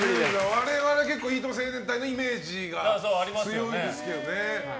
我々結構いいとも青年隊のイメージが強いですけどね。